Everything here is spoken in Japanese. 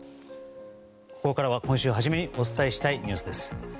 ここからは、今週初めにお伝えしたいニュースです。